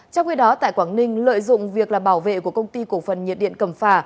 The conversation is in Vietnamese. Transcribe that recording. trong khi đó tại quảng ninh lợi dụng việc là bảo vệ của công ty cổ phần nhiệt điện cầm phà